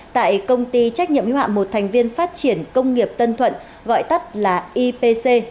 tại công ty trách nhiệm hữu hạm một thành viên phát triển công nghiệp tân thuận gọi tắt là ipc